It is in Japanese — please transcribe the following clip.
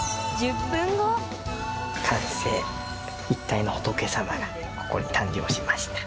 １体の仏様がここに誕生しました。